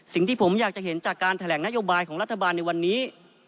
สิ่งที่ผมอยากจะเห็นจากการแถลงนโยบายของรัฐบาลในวันนี้